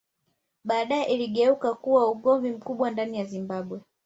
Badae iligeuka kuwa na nguvu kubwa ndani ya Zimbabwe